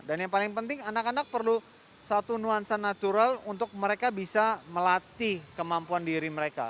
dan yang paling penting anak anak perlu satu nuansa natural untuk mereka bisa melatih kemampuan diri mereka